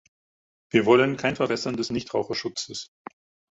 Wir wollen kein Verwässern des Nichtraucherschutzes.